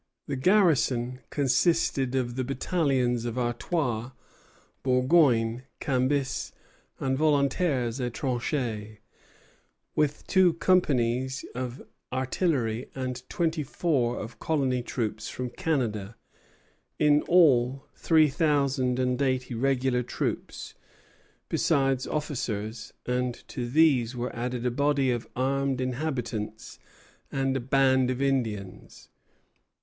The garrison consisted of the battalions of Artois, Bourgogne, Cambis, and Volontaires Étrangers, with two companies of artillery and twenty four of colony troops from Canada, in all three thousand and eighty regular troops, besides officers; and to these were added a body of armed inhabitants and a band of Indians.